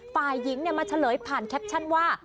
ฝ่ายหญิงมาเฉลยผ่านแคปชั่นว่า